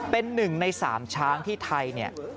เป็นหนึ่งใน๓ช้างที่ไทย